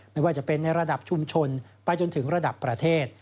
ไม่ว่าจะเป็นในระดับชุมชนไปจนถึงระดับประเทศ